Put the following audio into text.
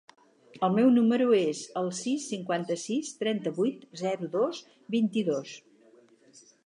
El meu número es el sis, cinquanta-sis, trenta-vuit, zero, dos, vint-i-dos.